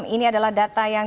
ini adalah data yang